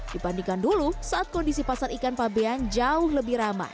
dibandingkan dulu saat kondisi pasar ikan fabian jauh lebih ramai